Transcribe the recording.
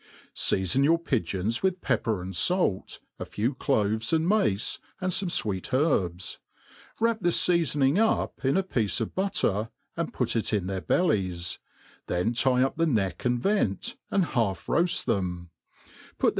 SEASON your pigeons with pepper and fait, a few cloves and maccf and fame fweet herbs ; wrap this feafoning up in a piece of butter, and put it in their bellies ; then tie up the neck and vent, and half road them: put them.